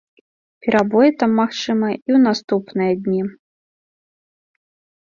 Перабоі там магчымыя і ў наступныя дні.